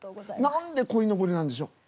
何でこいのぼりなんでしょう？